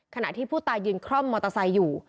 ขณะที่ผู้ตายยืนคร่อมมอเตอร์ไซค์อยู่